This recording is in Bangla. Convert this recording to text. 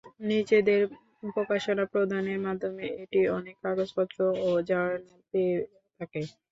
নিজেদের প্রকাশনা প্রদানের মাধ্যমে এটি অনেক কাগজপত্র ও জার্নাল পেয়ে থাকে।